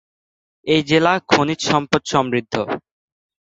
এই জেলা খনিজ সম্পদ সমৃদ্ধ।